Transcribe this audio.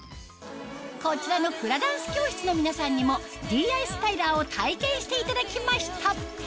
こちらのフラダンス教室の皆さんにもＤｉＳＴＹＬＥＲを体験していただきました